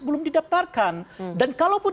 belum didaptarkan dan kalaupun